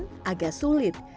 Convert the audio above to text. akses jalan menuju pantai widodaran